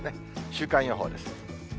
週間予報です。